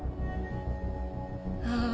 ああ